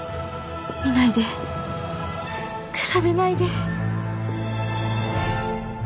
見ないで比べないで